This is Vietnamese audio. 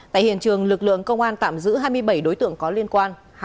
tại hiện trường lực lượng công an tạm giữ hai mươi bảy đối tượng có liên quan